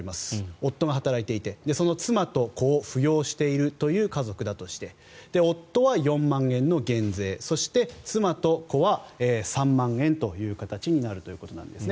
夫が働いていてその妻と子を扶養しているという家族だとして夫は４万円の減税そして妻と子は３万円という形になるということです。